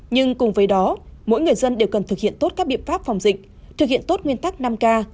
nhưng cùng với đó mỗi người dân đều cần thực hiện tốt các biện pháp phòng dịch thực hiện tốt nguyên tắc năm k